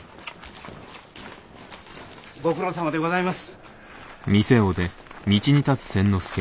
ご苦労さまでございます。